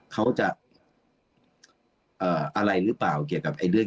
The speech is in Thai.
เขาจะอะไรหรือเปล่าเกี่ยวกับเรื่อง